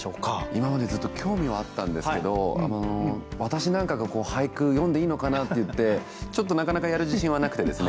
今までずっと興味はあったんですけど私なんかが俳句詠んでいいのかなっていってちょっとなかなかやる自信はなくてですね。